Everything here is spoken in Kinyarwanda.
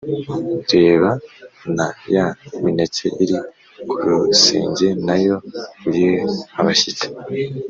reba na ya mineke iri ku rusenge na yo uyihe abashyitsi.